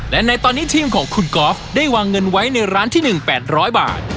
และในตอนนี้ทีมของคุณกอล์ฟได้วางเงินไว้ในร้านที่๑๘๐๐บาท